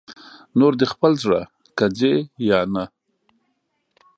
نور دې خپل زړه که ځې یا نه